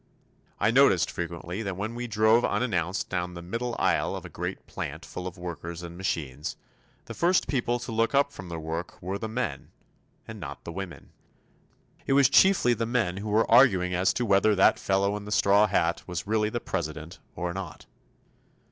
I noticed, frequently, that when we drove unannounced down the middle aisle of a great plant full of workers and machines, the first people to look up from their work were the men and not the women. It was chiefly the men who were arguing as to whether that fellow in the straw hat was really the President or not.